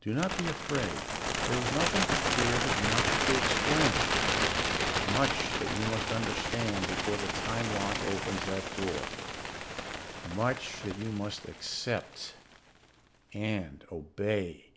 "Do not be afraid. There is nothing to fear, but much to explain. Much that you must understand before the time lock opens that door. Much that you must accept and obey.